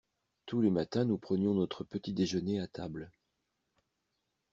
Tous les matins nous prenions notre petit-déjeuner à table.